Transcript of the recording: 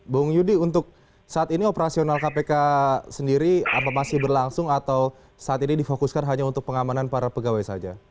bung yudi untuk saat ini operasional kpk sendiri apa masih berlangsung atau saat ini difokuskan hanya untuk pengamanan para pegawai saja